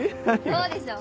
そうでしょ？